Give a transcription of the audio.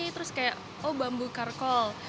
terus kayak oh bambu karkol